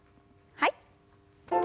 はい。